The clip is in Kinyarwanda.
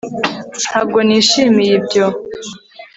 ntabwo nishimiye ibyo